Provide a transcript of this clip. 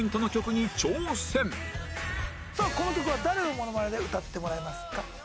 さあこの曲は誰のモノマネで歌ってもらえますか？